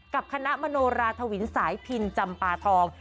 กับคณะมโนราธวินสายพินจำปาทอง